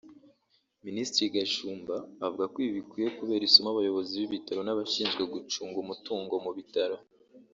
Minisitiri Gashumba avuga ko ibi bikwiye kubera isomo abayobozi b’ibitaro n’abashinzwe gucunga umutungo mu bitaro